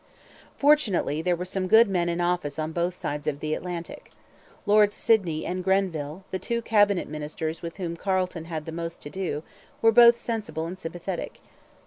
Fortunately there were some good men in office on both sides of the Atlantic. Lords Sydney and Grenville, the two cabinet ministers with whom Carleton had most to do, were both sensible and sympathetic.